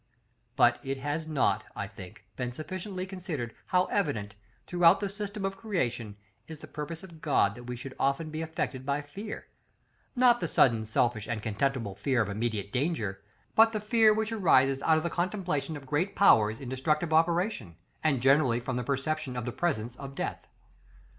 But it has not, I think, been sufficiently considered how evident, throughout the system of creation, is the purpose of God that we should often be affected by Fear; not the sudden, selfish, and contemptible fear of immediate danger, but the fear which arises out of the contemplation of great powers in destructive operation, and generally from the perception of the presence of death.